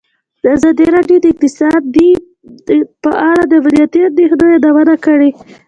ازادي راډیو د سوداګري په اړه د امنیتي اندېښنو یادونه کړې.